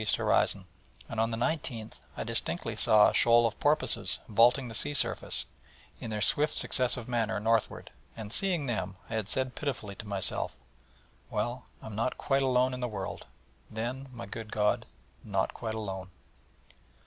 horizon; and on the 19th I distinctly saw a shoal of porpoises vaulting the sea surface, in their swift successive manner, northward: and seeing them, I had said pitifully to myself: 'Well, I am not quite alone in the world, then, my good God not quite alone.'